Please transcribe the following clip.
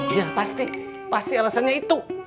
ya pasti pasti alasannya itu